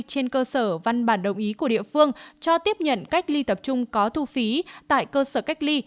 trên cơ sở văn bản đồng ý của địa phương cho tiếp nhận cách ly tập trung có thu phí tại cơ sở cách ly